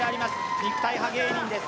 肉体派芸人です。